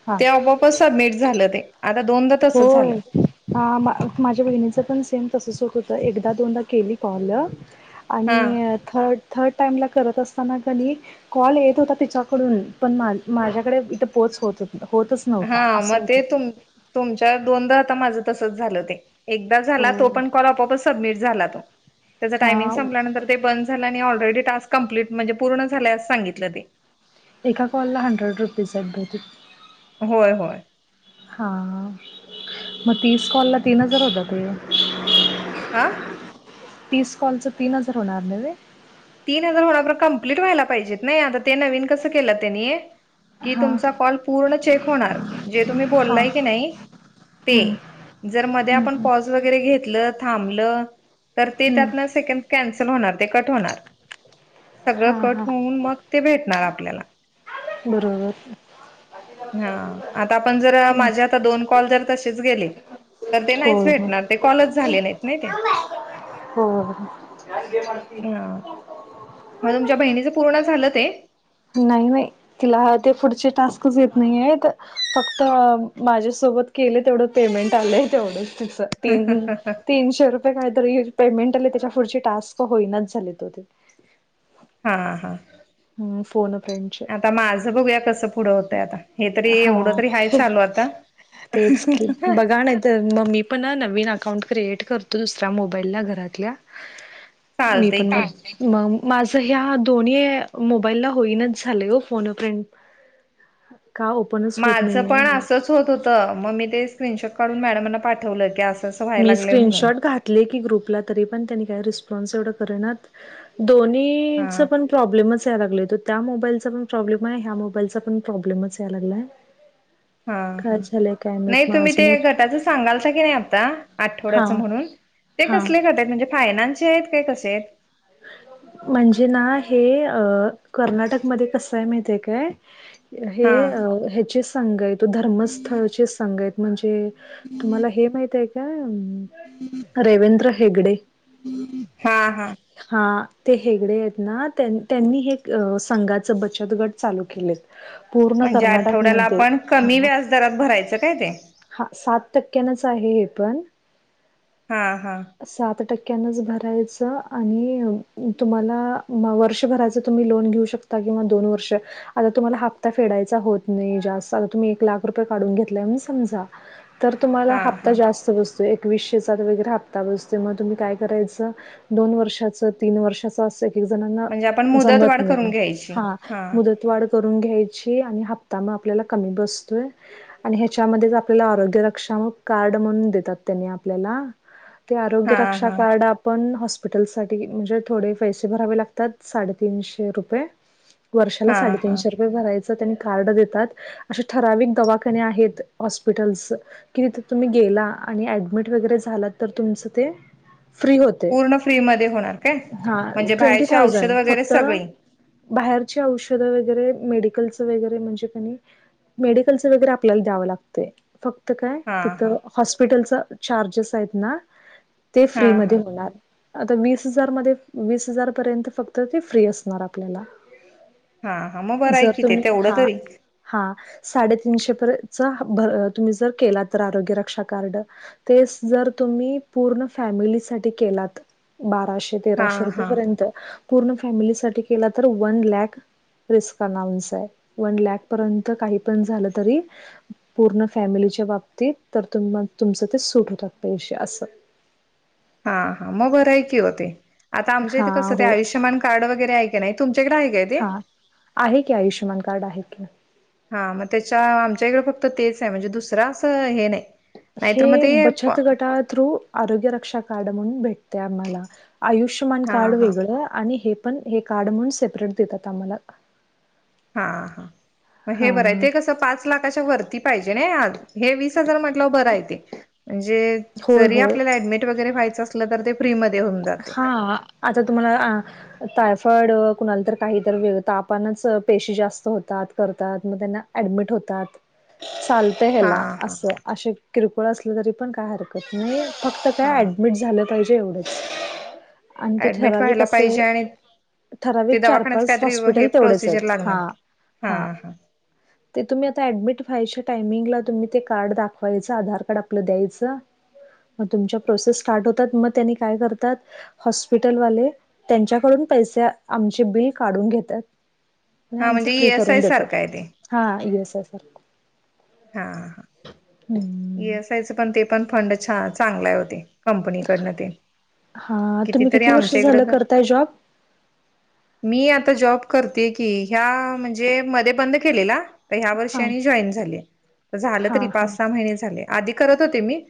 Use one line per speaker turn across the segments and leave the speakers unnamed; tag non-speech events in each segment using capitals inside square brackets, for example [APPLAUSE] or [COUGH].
ह [INAUDIBLE]
ते ऑपआपाच सबमिट झालं ते, आता दोनदा तसं झालं.
होय माझ्या बहिणीचं पण सेम तसंच होत होतं. एकदा दोनदा केली कॉल आणि
हा
थर्ड -थर्ड टाइमला करत असताना कध कॉल येत होता तिच्याकडून पण माझ्याकडे इथं पोहोच होत होता. होतच
हा
नव्हता असं
मग
होत ते.
तुम तुमच्या दोनदा आता माझं तसच झालं ते. एकदा झाला तो
हो
पण कॉल आपोआपच सबमिट झाला तो. त्याचं टायमिंग
हा
संपल्यानंतर ते बंद झालं आणि ऑलरेडी टास्क कंप्लीट म्हणजे पूर्ण झाल्यासं सांगितलं ते.
एका कॉल ला हंड्रेड रुपीज आहे बहुतेक.
होय, होय,
हा, मग तीस कॉलला तीन हजार होता ते.
आ.
तीस कॉलच तीन हजार होणार नव्हे?
तीन हजार होणारप कंप्लीट व्हायला पाहिजेत नाही आता ते नवीन कसं केलं त्यानी की
हां
तुमचा कॉल पूर्ण चेक होणार जे तुम्ही
हां
बोललाय की नाही
हम्म
ते, जर मध्ये
हम्म
आपण
हम्म
पोज् वगैरे घेतल थांबल, तर ते
हम्म
त्यातन सेकंद कॅन्सल होणार ते कट होणार. सगळं
हां
कट
हां
होऊन मग ते भेटणार आपल्याला.
बरोबर.
हा आता पण जर
हम्म
माझे आता दोन कॉल जर तसेच गेले तर ते नाहीच
होय हो
भेटणार. ते कॉलच झाले नाही नाहीते.
हो
ह ह म तुमच्या बहिणीच पूर्ण झालं ते?
नाहीे वय. तिला ते पुढचे टास्कच येत नाहि येत. फक्त माझ्यासोबत केले तेवढं पेमेंट आलंय तेवढं. तीन तीनशे रु व्हय काय तरी एक पेमेंट आलंय त्याच्या पुढचे टास्क होईनाच झाले ओ ते.
हा हा.
हम्म फोन फ्रेंडचे
आता माझं बघूया कसं पुढं होतय आता हे तरी एवढं
हा
तरी हय चालू आता.
तेच की
[INAUDIBLE]
बघा नाही तर मग मी पण नवीन अकाउंट क्रिएट करतो दुसऱ्या मोबाईलला घरातल्या मी
चालतंय
पण
की
मग माझ ह्या दोन्ही मोबाईलला होईनच झाले हो फोनफ्रेंड का हो? पूर्णच होत
माझं
नाहीे
पण
मग.
असंच होत होत मग मी ते स्क्रीनशॉट काढून मॅडमना पाठवल की आस
मी स्क्रीनशॉट घातले की ग्रुपला तरी पण त्यांनी काही रिस्पॉन्स एवढं करनात. दोन्ही
हा
च पण प्रॉब्लेमच याय लागय त्या मोबाईलचा पण प्रॉब्लेम आहे ह्या मोबाईलचा पण प्रॉब्मच याय लागलाय.
हा हा
काय झालंय काय
नाही
माहित मग
तुम्ही ते
अजून एक
गटातच सांगालता की नाही आता
हा
आठवड्याच म्हणून ते
हा
कसले गट आहेत फायनान्सचे हे ते कसे हेत?
म्हणजे ना हे अ कर्नाटकमध्ये कसय माहिती आहे काय?
हा
हे अ ह्याचे संघ आहे धर्मस्थळचेच संघ आहे म्हणजे तुम्हाला हे माहित आहे का रवेंद्र हेगडे?
हा हा.
हा ते हेगडे येत ना त्यांनी हे संघाच बचत गट चालू केले.
म्हणजे आठवड्याला आपण कमी
हा
व्याज दरात भरायचं काय ते?
हा सात टक्क्यांनच आहे हे पण.
हा हा.
असं सात टक्क्यानच भरायचं आणि तुम्हाला म वर्षभराचं तुम्ही लोन घेऊ शकता किंवा दोन वर्ष आता तुम्हाला हप्ता फेडायचा होत नाही जास्त आ तुम्ही एक लाख रुपये काढून घेतलाय म्ह समजा. तर तुम्हाला
हा
हप्ता
हा
जास्त बस तो एकवीसशेचा वगैरे हप्ता बसते मग तुम्ही काय करायचं दोन वर्षाचं तीन वर्षाचं असे ये लय जणांना
म्हणजे आपण मुदत
जमत
वाढ
नाही,
करून घ्यायची
हा मुदत वाड करून घ्यायची आणि हप्ता म आपल्याला कमी बसतोय. आणि ह्याच्यामध्येच आपल्याला आरोग्य रक्षामक कार्ड म्हणून देतात त्यांनी आपल्याला ते आरोग्य
हा
रक्षा
हा
कार्ड आपण हॉस स्पिटल साठी म्हणजे थोडे पैसे भरावे लागतात साडेतीनशे रुपये. वर्षाला
हा हा
साडेतीनशे रुपये भरायचं त्यांनी कार्ड देतात. असे ठराविक दवाखाने आहेत हॉस्पिटल्स कि तिथे तुम्ही गेला आणि ऍडमिट वगैरे झाला तर तुमच ते फ्री होतय.
पूर्ण फ्री मदे होणा
हां, ट्वेंटी थाउजंड,
वगैरे
फक्त
सगळी
बाहेरची औषधं वगैरे, मेडिकलच वगैरे, म्हणजे कणी मेडिकलच वगैरे आपल्याला द्यावं लाग ते, फक्त काय,
हा
तिथ
हा
हॉस्पिटलच, चार्जेस आहेत ना ते
हा
फ्री
हा
मदे होणार. आता वीस हजार मध्ये, वीस हजार पर्यंत फक्त, ते फ्री असणार आपल्याला.
हां हा, मग बरं
जर
ऐ कि, तें
तुम्ही
तेवढं
हा
तरी
हा, साडेतीनशे परेतचा, भ तुम्ही जर केला, तर आरोग्य रक्षा कार्ड. तेस जर तुम्ही, पूर्ण फॅमिलीसाठी केलात
हा
बाराशे-तेराशे
हा
रुपयेपर्यंत, पूर्ण फॅमिलीसाठी केला, तर वन लॅख रिस्क अनाऊन्स अय, वन लॅख पर्यंत काही पण झालं तरी पूर्ण फॅमिलीच्या बाबतीत, तर तुम-तुमचं ते सुट होतात, पैशे असं
हां हां, मग बरय की ओ ते आता आमच्या इथे
हा
कसं ते
हो
आयुष्यन कार्ड वगैरे आहे का नाही, तुमच्या ईकड हाय काय ते?
हा आहे की, आयुष्यमान कार्ड आहे की.
हां म त्याच्या, आमच्या इकड फक्त तेच हाय, म्हणजे दुसरं असं हे नही.
हे बचत गटा थ्रू, आरोग्य रक्षा कार्ड म्हणून भेटतय आम्हाला. आयुष्यमान
हा
कार्ड
हा
वेगळं आणि हे पण, हे कार्ड मग सेपरेट देतात आम्हाला.
हा हा, म हे बरय,
हा
ते कसं पाच लाखाच्या वरती पाहिजे नई आज, हे वीस हजार म्हण लं बरंय तें, म्हणजे
होय
जरी
होय
आपल्याला ऍडमिट वगैरे व्हायचं असल, तर तें फ्री म
हां, आता तुम्हाला तायफॉइड कुणाला तर, काहीतर वेग तापानच पेशी जास्त होतात, करतात, मग त्यांना ऍडमिट होतात. त
हा
ह्याला,
हा
अस-अशे किरकोळ असलं, तरी पण काय हरकत नही, फक्त
हा
काय ऍडमिट झालं पाहिजे एवढं.
ऍडमिट व्हायला
असे
पाहिजे आणि ते
ठराविक चार
दवाखान्याच
पाच
काहीतरी हे
हॉस्पिटल तेवढेच
प्रोसिजर
आहेत हा
लागणार,
हा
हं.
ते तुम्ही आता ऍडमिट व्हायच्या टायमिंगला, तुम्ही ते कार्ड दाखवायचं, आधार कार्ड आपलं द्यायचं. म तुमच्या प्रोसेस स्टार्ट होतात, म त्यांनी काय करतात? हॉस्पिटलवाले त्यांच्याकडून पैसे, आमचे बिल, काढून घेतात. नई
हा
आमच
म्हणजे ई
फ्री
एस आय
करून देतात,
सारखं आहे ते
हां ई एस आय सारखं.
हां, ई एस आयच पण ते पण फंड छा- चांगला य, ओ तें. कंपनीकडनं ते,
हा तुम्ही
कितीतरी
किती वर्ष
आमच्या इकड
झालं
न
करताय जॉब
मी आता जॉब करते की, ह्या म्हणजे मध्ये बंद केलेला. ह्या वर्षी
हा
आणि जॉईन झाली, त झालं तरी
हा हा
पाच सहा महिने झाले, आधी करत होते मी.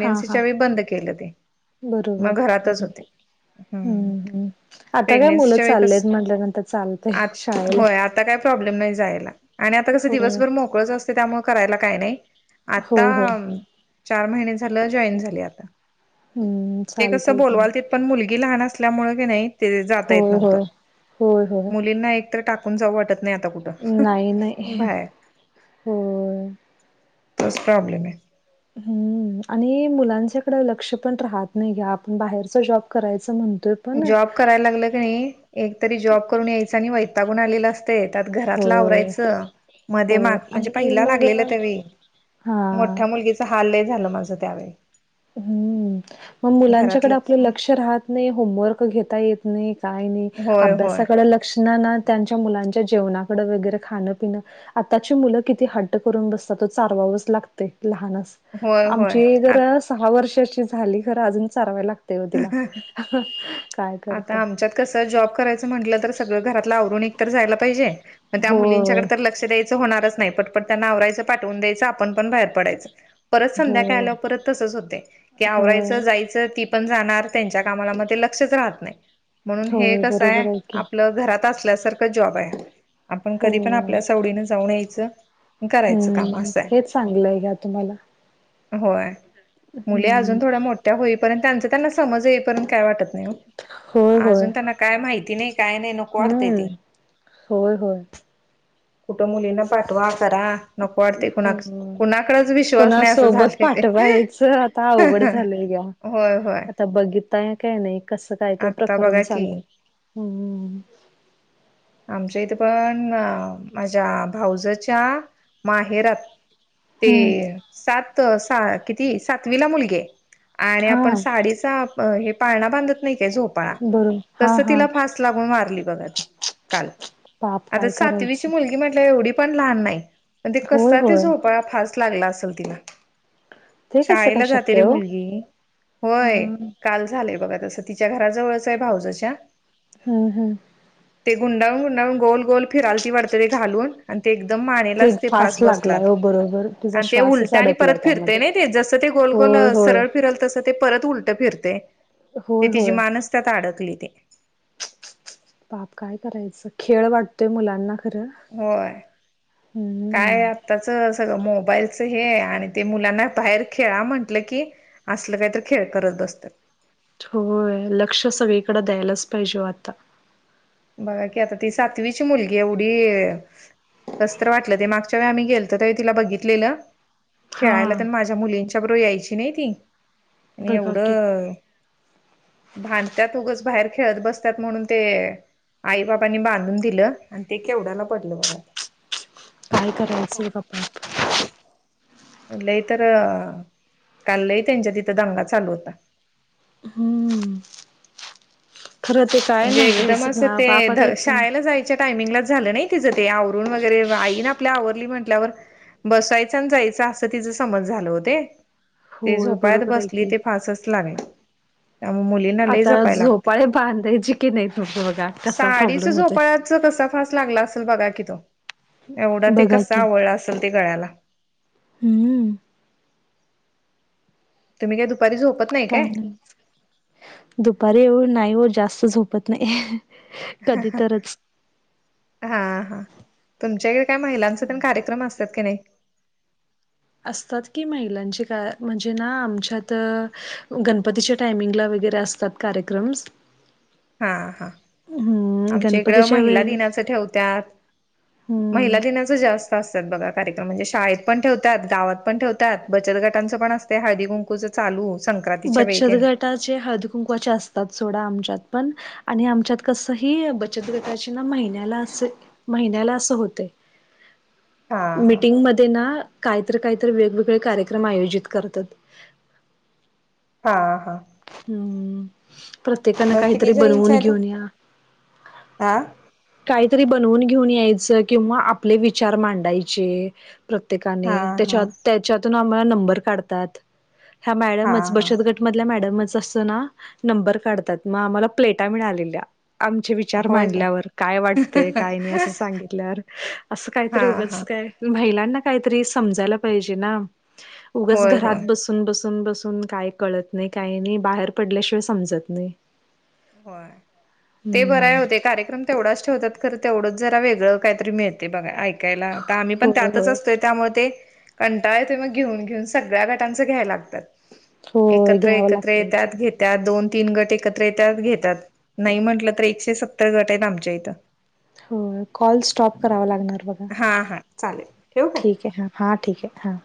हा हा
वेळी, बंद केलं ते.
बरोबर
मग
हं.
घरातच होते
हम्म हम्, आता काय मुलं चाललेत, म्हटल्यानंतर चालतय.
अत,
शाळेला
होय आता काय प्रॉब्लेम नही जायला, अणि आता कस
हो
दिवसभर मोकळंच अस त, त्यामुळे करायला काही नही, आता.
होय, होय.
चार महिने झालं, जॉईन झाले आता,
हम्म.
ते कस
चालतंय की.
बोलवाल ती पण मुलगी लहान असल्यामुळे क नही, ते जाता येत
होय,
नव्हत,
होय. होय, होय.
मुलींना एक ट टाकून, जाऊ वाटत नही आता कुठं,
नाही, नाही.
बाहेर.
होय.
तोच प्रॉब्लेम ए.
हम्म आणि मुलांच्याकडे लक्ष पण राहत नाय या आपण बाहेरचा जॉब करायचं म्हणतोय. पण
जॉब करायला लागलं क नाय एकतरी जॉब करून यायच आणि वैतागून आलेलं अस ते त्यात घरात
होय,
लावरायचं मध्ये मा
होय.
म्हणजे पहिला लागलेल त्यावेळी.
हा.
हाय लय माझं त्यावेळी.
हम्म मग
घरात
मुलांच्याकडे आपलं
नाही
लक्ष राहत नाय होमवर्क घेता येत नाय. काही नाई
होय होय
अभ्यासाकड लक्ष ना त्यांच्या मुलांच्या जेवणाकड वगैरे खाणं पिणं आताची मुलं किती हट्ट करून बसतात ओ चारवावच लागतय लहान
होय होय
आमची
आ
जर सहा वर्षाची झाली खर अजून चारवाय ला तेव तिला काय करतय.
कस जॅब करायचा म्हटल तर सगळं घरातलं आवरून एक तर जायला पाहिजे त्या मुलीच्या
होय,
कड तर लक्ष द्याय तसं होणारच नाय पट पट त्यांना आवरायचं पाठवून द्याचं आपण पण बाहेर पडायच. परत संध्याकाळ
होय,
आल्यावर परत तसंच होतय की आवरायचं
होय.
जायचं ती पन जाणार त्यांच्या कामाला म ते लक्षच राहात नाय म्हणून हे
होय,
कस आय
बरोबर आहे की.
आपलं घारात तासल्यासारख जॉब आय. आपण कधी पण
होय.
आपल्या सवडीन जाऊन यायचं करायचं काम
हम्म
असं आहे
हेच चांगलंय घ्या तुम्हाला.
होय मुली
हम्म.
अजून थोड्या मोठ्या होईपर्यंत त्यांच त्यांना समज येईपर्यंत काय वाटत नाय ओ
होय, होय.
अजून त्यांना काय माहिती नाई काय नाई नको वाटतय
हम्म.
ते.
होय होय.
कुठं मुलींना पाठवा करा. नको वाटते कुणा
होय
कुणाकडेच विश्वास
कुणा
नाही असं
सोबत
झालंय ते
पाठवायचं आता अवघड झालंया.
होय होय
आता बघिताय का नाय कसं काय काय
आता
प्रकरण
बघा की
चालंलय हम्म.
आमच्या इथ पण माझ्या भाऊजच्या माहेरात ते
हम्म
सात सा किती सातवी ला मुलगी आय. आणि
हा
आपण साडीचा हे पाळणा बांधत नाय काय झोप पाळा
बरोबर हा
तस
हा
तिला फास लागून वारली बघा ती. काल
पाप
आता
काय
सातवीची
करायचं
मुलगी म्हटलं एवढी पण लहान नाय. पण ते कस
होय
ते
होय
झोप पाळा फास लागला असल तिला.
ते कसं काय
शाळेला जातेली
शक्य हो
मुलगी होय.
हम्म
काल झालंय बघा तसं तिच्या घराजवळच हाय भाऊजच्या.
हम् हम्.
ते गुंडाळून गुंडाळून गोल गोल फिरालती वाटत ते घालून. आणि ते एकदम मानेलाच ते फास
फास्ट लागलाय
बसलात
हो बरोबर तुझा
आणि ते
श्वासच
उलट आणि
अडकलाय
परत फिरतय
त्यामध्ये
ना. जस ते गोलगोल
होय होय
सरळ फिरल तस ते परत उलट फिरतय ते
होय
तिजी
होय
मानच त्यात अडकली ती.
बाप काय करायचं खेळ वाटतोय मुलांना. खर हम्.
त्याच सगळं मोबाईलच हे आणि ते मुलांना बाहेर खेळा म्हंटलं की असलं काय तरी खेळ करत बसत्यात.
होय लक्ष सगळीकड द्यायलाच पाहिजे ओ आता.
बघा की आता ती सातवीची मुलगी एवढी कसतर वाटलं ते मागच्या वेळी आम्ही गेलतो त्यावेळी तिला बघितलेलं.
हा
खेळायला तेन माझ्या मुलींच्या बरोबर यायची नाई ती. आणि
बघा की
एवढं भांडत्यात उगच बाहेर खेळत बसतात म्हणून ते आई बाबांनी बांधून दिलं, आणि ते केवढाला पडलं बागा ते.
काय करायचं बाबा.
लई तर, काल लय त्यांच्या तिथं दंगा चालू होता.
हम्म. खरं ते काय
म्हणजे एकदम
नाहीच
असं
ना बापाचा
ते
तन
शाळेला जाय च्या टामिंगला झालं नाही तिचं ते, आवरून वगैरे, आई ना आपल्या आवरली म्हटल्यावर बसायच आणि जायच, असं तिच समज झालं ओ ते. ते
होय
झोपाळ्यात
बरोबर आहे
बसली
की
ते फासच लागेल. त्यामुळे मुली
आता झोपाळे बांधायची की नाही तुम बघा. कसा
साडीच
प्रॉब्लेम होतोय
झोपाळ्यात च कसा फास लागला असेल बघा कि तो, एवढा ते
बघा
कसा
की
आवळला असेल ते गळ्याला.
हम्म.
तुम्ही काय दुपारी झोपत
काय नाही, दुपारी एवढ नाई ओ जास्त झोपत नाही. कधी
हा-हा
तरच
हा-हा तुमच्याइड काय महिलांच तेन पण कार्यक्रम असतात का नाई?
असतात की महिलांचे का, म्हणजे ना आमच्यात गणपतीच्या टायमिंगला वगैरे असतात. कार्यक्रम.
हा-हा,
हम्म
आमच्या इकडं
गणपतीच्या
महिला
वेळी
दिनाचं ठेवत्यात. महिला
हम्म
दिनाचं जास्त असतात बघा कार्यक्रम म्हणजे शाळेत पण ठेवतात, गावात पण ठेवतात, बचत गटांचं पण असतय हळदी कुंकूच. चालू संक्रांतीच्या वेळे तेन
त जे हळदि कुंकुवाचे असतात सोडा, आमच्यात पण आणि आमच्यात कस हि बचत गटाची ना महिन्याला आसे महिन्याला आसं होतय.
हा हा
मीटिंग मध्ये ना काहीतर-काहीतर वेगवेगळे कार्यक्रम आयोजित करतात.
हा-हा.
हम्म, प्रत्येकान
मग
काहीतरी
किती जणींचा
बनवून
आहे तो
घेऊन या.
हा
काहीतरी बनवून घेऊन यायचं, किंवा आपले विचार मांडायचे.
हा
प्रत्येकाने,
हा
त्या-त्याच्यातून आम्हाला नंबर काढतात, ह्या
हा
मॅडमच
हा
बचतगट मधल्या मॅडमच असतं ना नंबर काढतात, म आम्हाला प्लेटा मिळालेल्या, आमचे वि विचार मांडल्यावर, काय वाटतय, काय नाही. असं सांगितल्यावर, असं
हा
काहीतरी उगंच
हा
काय. महिलांना काहीतरी समजायला पाहिजे ना, उगच
होय होय
घरात बस सून-बसून-बसून काय कळत नाही, काही नाही बाहेर पडल्याशिवाय समजत नाही.
होय, ते बर हाय
हम्म
ओ ते, कार्यक्रम तेवढाच ठेवतात, खर तेवढंच जरा वेगळं काहीतरी मिळते बघा ऐकायला, तर आम्ही पण
होय
त्यातच
होय
असतोय. त्यामुळे ते कंटाळ येतोय मग, घेऊन-घेऊन सगळ्या गटांचं घ्यायला लागतय.
होय घ्यावं
एकत्र-एकत्र
लागतंच
येतात घेत्यात, दोन, तीन गट एकत्र येत येत्यात घेतात, नाही म्हटलं तर एकशे सत्तर गट आहेत आमच्या इथं.
होय, कॉल स्टॉप करावा लागणार बघा,
हा हा चालेल ठेवू का?
ठीक आहे हा. हां ठीक आहे, हां.